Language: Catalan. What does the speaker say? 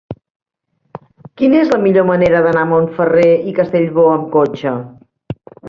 Quina és la millor manera d'anar a Montferrer i Castellbò amb cotxe?